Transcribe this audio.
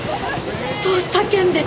そう叫んで。